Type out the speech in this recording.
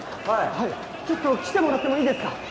はいちょっと来てもらってもいいですか？